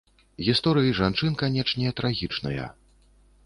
Гісторыі жанчын, канечне, трагічныя.